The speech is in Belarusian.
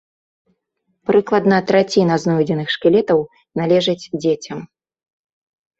Прыкладна траціна знойдзеных шкілетаў належыць дзецям.